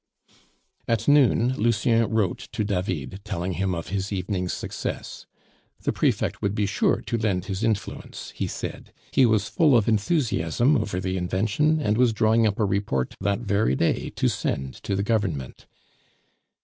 At noon Lucien wrote to David, telling him of his evening's success. The prefect would be sure to lend his influence, he said; he was full of enthusiasm over the invention, and was drawing up a report that very day to send to the Government.